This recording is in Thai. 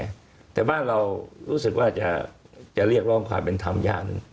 ประเทศบ้านเรารู้สึกว่าจะเรียกร้องความเป็นตามยาง